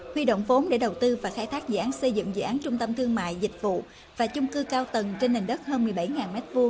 huy động vốn để đầu tư và khai thác dự án xây dựng dự án trung tâm thương mại dịch vụ và chung cư cao tầng trên nền đất hơn một mươi bảy m hai